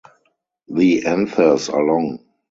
The anthers are long.